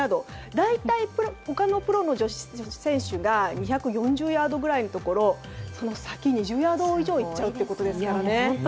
大体、他のプロ女子選手が２４０ヤードぐらいのところその先、２０ヤードぐらい行っちゃうってことですから。